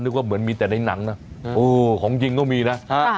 นึกว่าเหมือนมีแต่ในหนังน่ะโอ้ของจริงก็มีน่ะฮะ